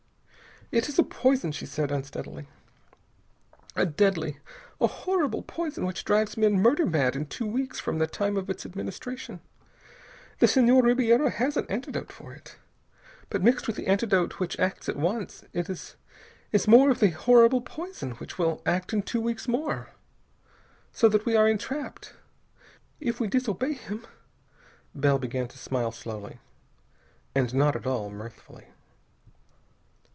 "It is a poison," she said unsteadily. "A deadly, a horrible poison which drives men murder mad in two weeks from the time of its administration. The Senhor Ribiera has an antidote for it. But mixed with the antidote, which acts at once, is more of the horrible poison, which will act in two weeks more. So that we are entrapped. If we disobey him...." Bell began to smile slowly, and not at all mirthfully.